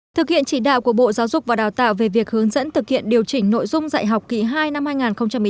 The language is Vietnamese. thực hiện chỉ đạo của bộ giáo dục và đào tạo về việc hướng dẫn thực hiện điều chỉnh nội dung dạy học kỳ hai năm hai nghìn một mươi chín hai nghìn hai mươi